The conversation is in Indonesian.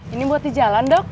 ini buat di jalan dok